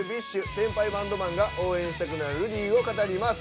先輩バンドマンが応援したくなる理由を語ります。